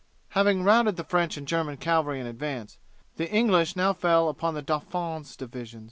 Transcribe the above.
Having routed the French and German cavalry in advance, the English now fell upon the Dauphin's division.